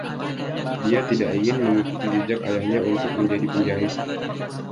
Dia tidak ingin mengikuti jejak ayahnya untuk menjadi penjahit.